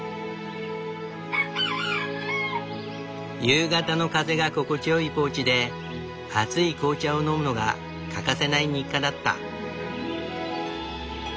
夕方の風が心地よいポーチで熱い紅茶を飲むのが欠かせない日課だった。